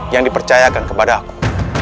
yang dipersayangkan kepada aku